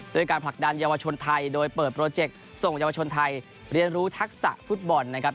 ด้วยการผลักดันเยาวชนไทยโดยเปิดโปรเจกต์ส่งเยาวชนไทยเรียนรู้ทักษะฟุตบอลนะครับ